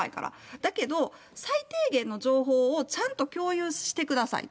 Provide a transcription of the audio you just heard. だけど、最低限の情報をちゃんと共有してくださいと。